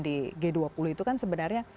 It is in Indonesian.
di g dua puluh itu kan sebenarnya